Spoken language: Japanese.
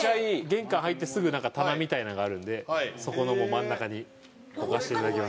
玄関入ってすぐなんか棚みたいなのがあるんでそこの真ん中に置かせて頂きました。